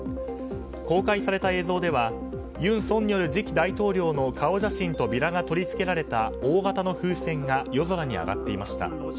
公開された映像では尹錫悦次期大統領の顔写真とビラが取り付けられた大型の風船が夜空に上がっていました。